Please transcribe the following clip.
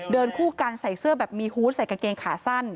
คู่กันใส่เสื้อแบบมีฮูตใส่กางเกงขาสั้น